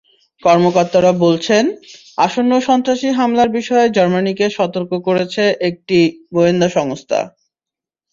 কর্মকর্তারা বলছেন, আসন্ন সন্ত্রাসী হামলার বিষয়ে জার্মানিকে সতর্ক করেছে একটি গোয়েন্দা সংস্থা।